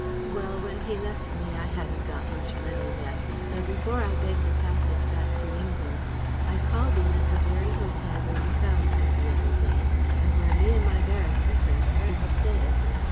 Well, when he left me I hadn't got much money left; so, before I begged a passage back to England, I called in at the very hotel where you found me the other day, and where me an' my barrister friend had been stayin'.